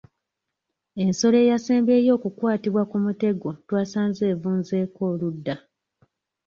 Ensolo eyasembayo okukwattibwa ku mutego twasanze evunzeeko oludda.